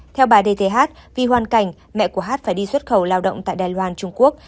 theo bà dth vì hoàn cảnh mẹ của hát phải đi xuất khẩu lao động tại đài loan trung quốc